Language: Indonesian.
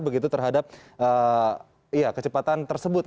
begitu terhadap kecepatan tersebut